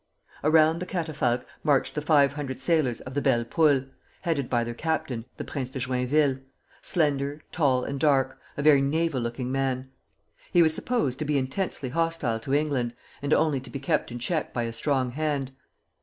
Around the catafalque marched the five hundred sailors of the "Belle Poule," headed by their captain, the Prince de Joinville, slender, tall, and dark, a very naval looking man. He was supposed to be intensely hostile to England, and only to be kept in check by a strong hand.